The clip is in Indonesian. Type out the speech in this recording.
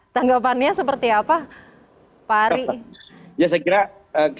tanggapannya seperti apa pak ari